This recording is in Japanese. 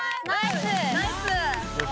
ナイッス！